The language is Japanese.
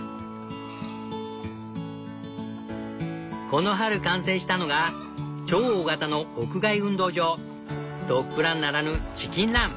この春完成したのが超大型の屋外運動場ドッグランならぬチキンラン。